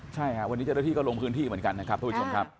ใช่ค่ะวันนี้เจ้าหน้าที่ก็ลงพื้นที่เหมือนกันนะครับทุกผู้ชมครับ